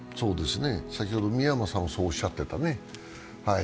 先ほど宮間さんもそうおっしゃっていたね。